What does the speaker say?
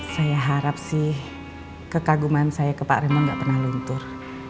saya harap sih kekaguman saya ke pak remo nggak pernah luntur